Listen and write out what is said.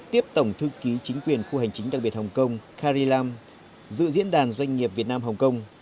tiếp tổng thư ký chính quyền khu hành chính đặc biệt hồng kông kharilam dự diễn đàn doanh nghiệp việt nam hồng kông